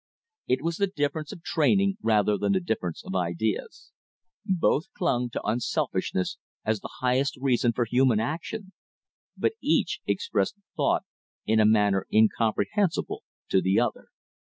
It was the difference of training rather than the difference of ideas. Both clung to unselfishness as the highest reason for human action; but each expressed the thought in a manner incomprehensible to the other.